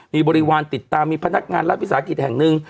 มีบริวารติดตามมีพนักงานรัฐวิสาหกิจแห่งหนึ่ง